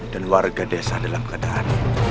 dan warga desa dalam keadaan